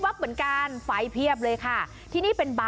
หลบ